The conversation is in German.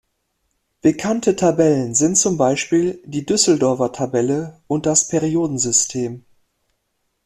Bekannte Tabellen sind zum Beispiel die Düsseldorfer Tabelle und das Periodensystem.